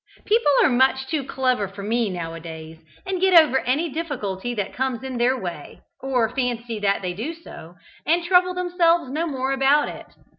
People are much too clever for me, nowadays, and get over any difficulty that comes in their way or fancy that they do so, and trouble themselves no more about it.